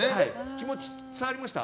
気持ちは伝わりました。